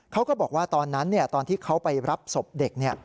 เขาก็บอกว่าตอนนั้นตอนที่เขาไปรับศพเด็ก